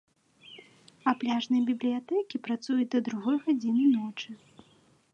А пляжныя бібліятэкі працуюць да другой гадзіны ночы.